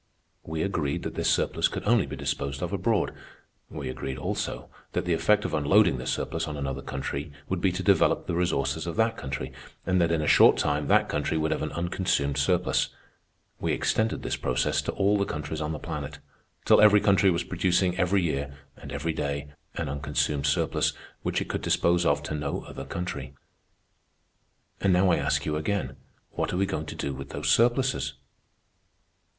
We agreed that this surplus could only be disposed of abroad. We agreed, also, that the effect of unloading this surplus on another country would be to develop the resources of that country, and that in a short time that country would have an unconsumed surplus. We extended this process to all the countries on the planet, till every country was producing every year, and every day, an unconsumed surplus, which it could dispose of to no other country. And now I ask you again, what are we going to do with those surpluses?"